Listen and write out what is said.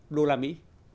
đô la mỹ